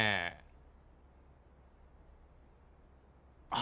あ。